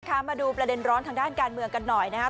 มาดูประเด็นร้อนทางด้านการเมืองกันหน่อยนะครับ